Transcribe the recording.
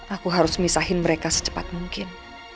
aku harus misahin mereka secepat mungkin